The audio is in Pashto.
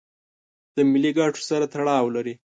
د ملي ګټو سره تړاو لري.